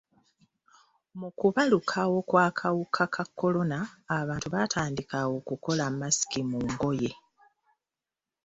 Mu kubalukawo kw'akawuka ka kolona abantu baatandika okukola masiki mu ngoye.